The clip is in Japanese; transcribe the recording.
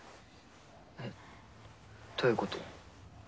えっどういうこと？